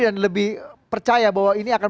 dan lebih percaya bahwa ini akan